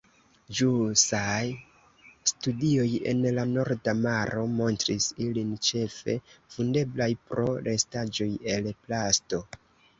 Ĵusaj studioj en la Norda Maro montris ilin ĉefe vundeblaj pro restaĵoj el plasto.